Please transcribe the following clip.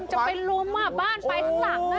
จะไปล้มอ่ะบ้านไปทั้งหลังอ่ะ